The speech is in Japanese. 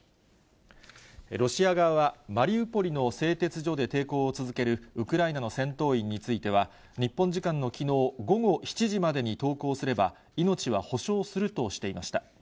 ロシア側は、マリウポリの製鉄所で抵抗を続けるウクライナの戦闘員については、日本時間のきのう午後７時までに投降すれば、命は保証するとしていました。